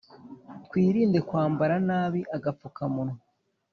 twirinde kwambara nabi agapfukamunwa